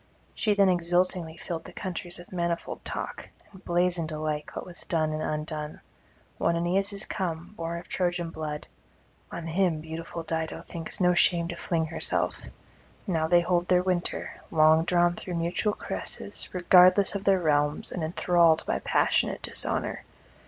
She then exultingly filled the countries with manifold talk, and blazoned alike what was done and undone: one Aeneas is come, born of Trojan blood; on him beautiful Dido thinks no shame to fling herself; now they hold their winter, long drawn through mutual caresses, regardless of their realms and enthralled by passionate dishonour.